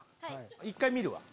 １回見るわ！